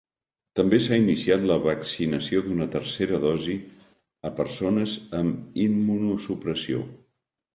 També s’ha iniciat la vaccinació d’una tercera dosi a persones amb immunosupressió.